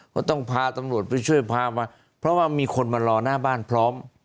ก็ต้องพาตำรวจไปช่วยพามาเพราะว่ามีคนมารอหน้าบ้านพร้อม